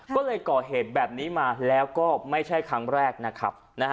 ก็เลยก่อเหตุแบบนี้มาแล้วก็ไม่ใช่ครั้งแรกนะครับ